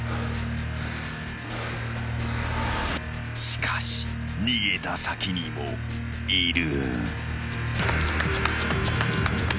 ［しかし逃げた先にもいる］